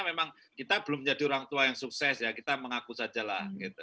memang kita belum menjadi orang tua yang sukses ya kita mengaku saja lah